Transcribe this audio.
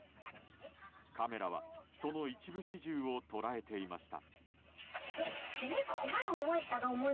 カメラはその一部始終を捉えていました。